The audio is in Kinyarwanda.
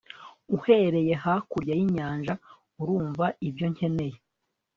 Uhereye hakurya yinyanja Urumva ibyo nkeneye